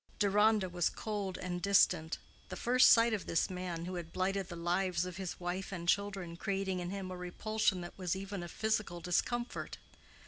Deronda was cold and distant, the first sight of this man, who had blighted the lives of his wife and children, creating in him a repulsion that was even a physical discomfort.